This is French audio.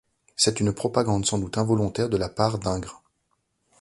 C'est une propagande sans doute involontaire de la part d'Ingres.